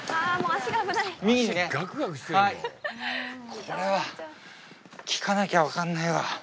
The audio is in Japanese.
これは聞かなきゃわからないわ。